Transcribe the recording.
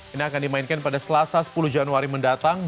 ini akan dimainkan pada selasa sepuluh januari mendatang